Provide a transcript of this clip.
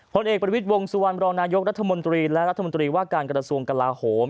ผลเอกประวิทย์วงสุวรรณรองนายกรัฐมนตรีและรัฐมนตรีว่าการกระทรวงกลาโหม